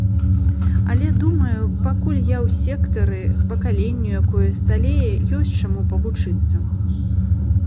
Але думаю, пакуль я ў сектары, пакаленню, якое сталее, ёсць чаму павучыцца.